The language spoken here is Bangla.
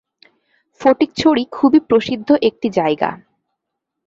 ফটিকছড়ি খুবই প্রসিদ্ধ একটি জায়গা।